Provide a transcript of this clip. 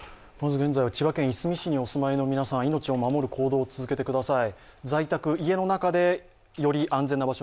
現在、千葉県いすみ市にお住まいの皆さんは命を守る行動を続けてください。